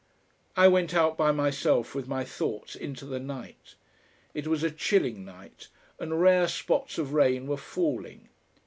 I went out by myself with my thoughts into the night. It was a chilling night, and rare spots of rain were falling.